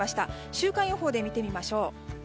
週間予報で見てみましょう。